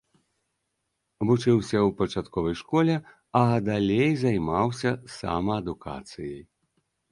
Вучыўся ў пачатковай школе, а далей займаўся самаадукацыяй.